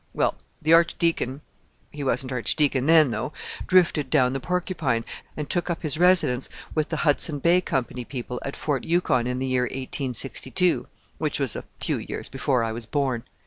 "Well, the Archdeacon he wasn't Archdeacon then though drifted down the Porcupine, and took up his residence with the Hudson Bay Company people at Fort Yukon in the year 1862, which was a few years before I was born.